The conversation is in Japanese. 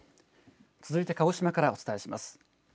続いて鹿児島からお伝えします。